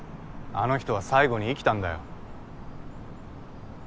あの人は最後に生きたんだよ。